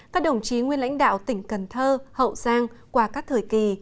các đồng chí nguyên lãnh đạo tỉnh cần thơ hậu giang qua các thời kỳ